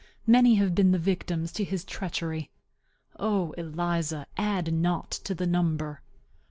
Many have been the victims to his treachery. O Eliza, add not to the number.